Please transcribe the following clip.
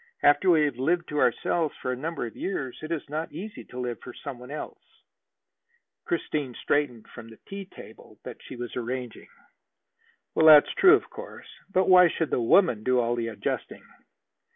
"After we have lived to ourselves for a number of years, it is not easy to live for some one else." Christine straightened from the tea table she was arranging. "That's true, of course. But why should the woman do all the adjusting?"